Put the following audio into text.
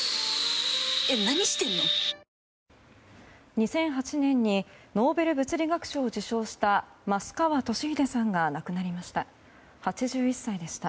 ２００８年にノーベル物理学賞を受賞した益川敏英さんが亡くなりました。